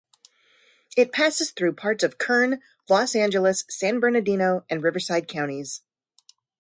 It passes through parts of Kern, Los Angeles, San Bernardino, and Riverside counties.